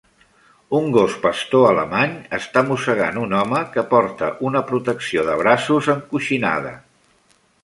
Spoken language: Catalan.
Un gos pastor alemany està mossegant un home que porta una protecció de braços encoixinada.